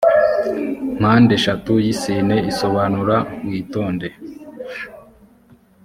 mpandeshatu y isine isobanura witonde